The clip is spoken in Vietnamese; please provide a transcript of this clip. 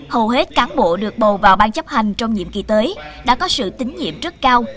hầu hết cán bộ được bầu vào ban chấp hành trong nhiệm kỳ tới đã có sự tín nhiệm rất cao